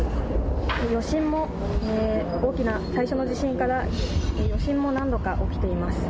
余震も、大きな最初の地震から余震も何度か起きています。